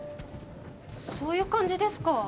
そういう感じですか？